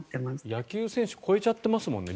野球選手を超えちゃってますよね